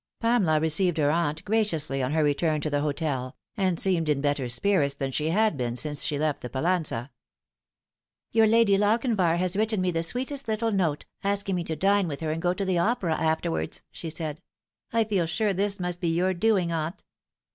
Pamela received her aunt graciously on her return to the hotel, and seemed in better spirits than she had been since she left Pallanza. " Your Lady Lochinvar has written me the sweetest little note, asking me to dine with her and go to the opera afterwards, "she said. " I feel sure this must be your doing, aunt."